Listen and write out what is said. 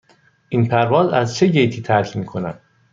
این پرواز از چه گیتی ترک می کند؟